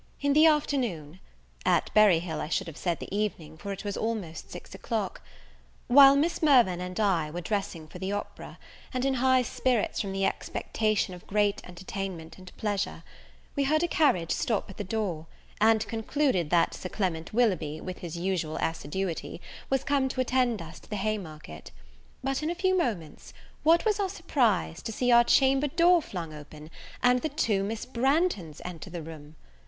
In the afternoon, at Berry Hill I should have said the evening, for it was almost six o'clock, while Miss Mirvan and I were dressing for the opera, and in high spirits from the expectation of great entertainment and pleasure, we heard a carriage stop at the door, and concluded that Sir Clement Willoughby, with his usual assiduity, was come to attend us to the Haymarket; but, in a few moments, what was our surprise to see our chamber door flung open, and the two Miss Branghtons enter the room!